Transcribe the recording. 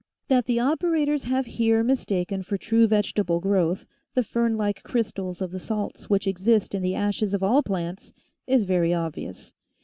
That the operators have here mistaken for true vegetable growth the fern like crystals of the salts which exist in the ashes of all plants is very obvious.